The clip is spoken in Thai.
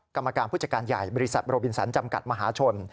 กรรมการผู้จัดการใหญ่บริษัทโรบินสันจำกัดมหาชน